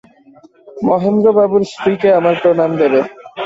মহেন্দ্রবাবুর স্ত্রীকে আমার প্রণাম দিবে।